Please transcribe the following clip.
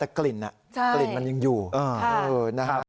แต่กลิ่นมันยังอยู่นะฮะ